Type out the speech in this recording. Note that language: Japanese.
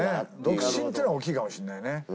独身っていうのは大きいかもしれないね。